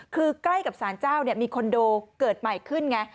คือใกล้กับสารเจ้ามีคอนโดเกิดใหม่ขึ้นไง